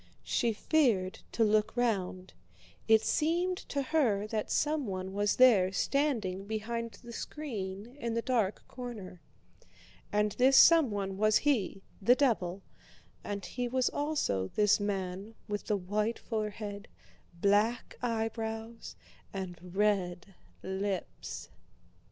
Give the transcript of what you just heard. She feared to look round, it seemed to her that someone was there standing behind the screen in the dark corner. And this someone was he—the devil—and he was also this man with the white forehead, black eyebrows, and red lips.